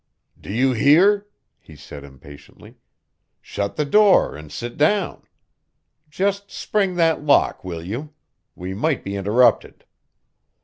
"Do you hear?" he said impatiently; "shut the door and sit down. Just spring that lock, will you? We might be interrupted."